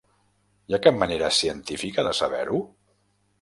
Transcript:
Hi ha cap manera científica de saber-ho?